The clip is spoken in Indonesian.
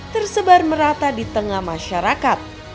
tersebar merata di tengah masyarakat